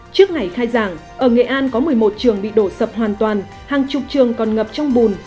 trước ngày khai giảng ở nghệ an có một mươi một trường bị đổ sập hoàn toàn hàng chục trường còn ngập trong bùn